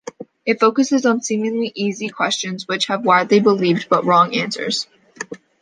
It focuses on seemingly easy questions which have widely believed but wrong answers.